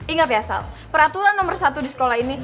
ingat ya sal peraturan nomor satu di sekolah ini